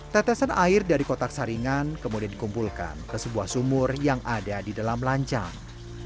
tetesan air dari kotak saringan kemudian dikumpulkan ke sebuah sumur yang ada di dalam lancang